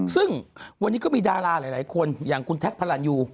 ซึ่งวันนี้ก็มีดาราหลายคนอย่างคุณแท็กพระรันยู